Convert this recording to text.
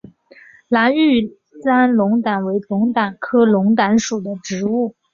蓝玉簪龙胆为龙胆科龙胆属的植物。